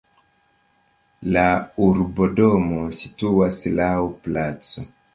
La urbodomo situas laŭ placo.